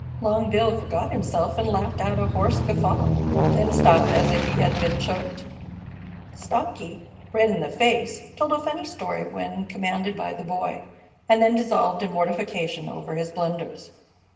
Long Bill forgot himself and laughed out a hoarse guffaw, then stopped as if he had been choked. Stocky, red in the face, told a funny story when commanded by the Boy, and then dissolved in mortification over his blunders.